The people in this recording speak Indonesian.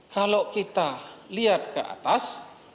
kalau kita lihat ke atas